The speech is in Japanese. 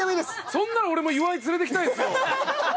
そんなら俺も岩井連れてきたいですよ！